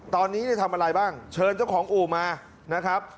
ตอนนี้ทำอะไรบ้างเชิญเจ้าของอู่มานะครับ